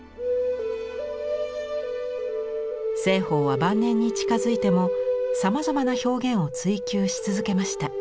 栖鳳は晩年に近づいてもさまざまな表現を追求し続けました。